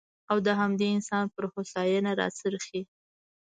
او د همدې انسان پر هوساینه راڅرخي.